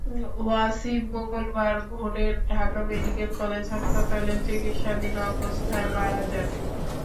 ওয়াসিম মঙ্গলবার ভোরে Dhaka medical college হাসপাতালে চিকিৎসাধীন অবস্থায় মারা যান।